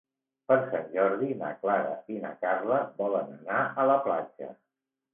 Per Sant Jordi na Clara i na Carla volen anar a la platja.